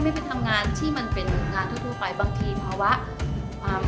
บางทีเพราะว่า